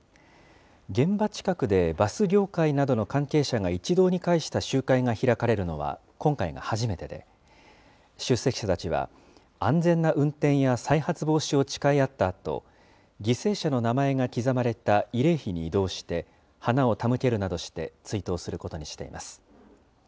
現場近くでバス業界などの関係者が一堂に会した集会が開かれるのは今回が初めてで、出席者たちは、安全な運転や再発防止を誓い合ったあと、犠牲者の名前が刻まれた慰霊碑に移動して、花を手向けるなどして追悼することにしています。